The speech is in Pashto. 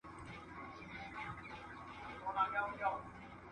دیوالونه مه لیکئ.